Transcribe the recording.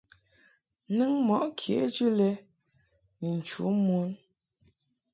Nɨŋ mɔʼ kejɨ lɛ ni nchu mon.